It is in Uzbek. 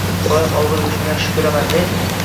“Doim olg’a yurishni yaxshi ko’raman deng?”